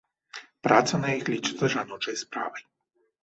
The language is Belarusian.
Праца на іх лічыцца жаночай справай.